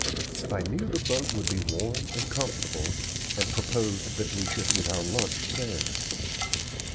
I knew the boat would be warm and comfortable, and proposed that we should eat our lunch there.